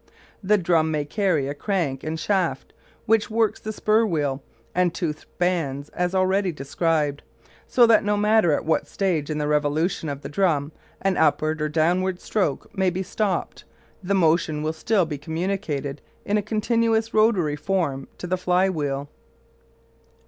The drum may carry a crank and shaft, which works the spur wheel and toothed bands as already described, so that no matter at what stage in the revolution of the drum an upward or downward stroke may be stopped, the motion will still be communicated in a continuous rotary form to the fly wheel.